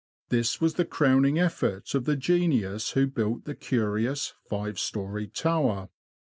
This was the crowning effort of the genius who built the curious five storeyed tower.